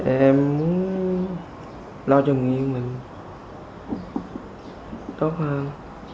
em muốn lo cho người yêu mình tốt hơn